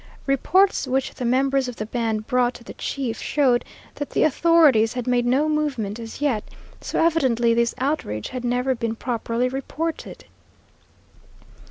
Reports which the members of the band brought to the chief showed that the authorities had made no movement as yet, so evidently this outrage had never been properly reported.